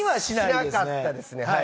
しなかったですね。